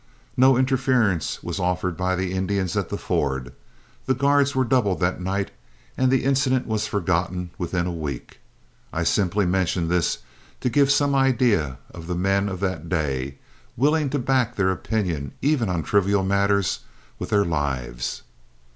No interference was offered by the Indians at the ford, the guards were doubled that night, and the incident was forgotten within a week. I simply mention this to give some idea of the men of that day, willing to back their opinions, even on trivial matters, with their lives.